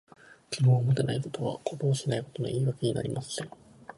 希望を持てないことは、行動しないことの言い訳にはなりません。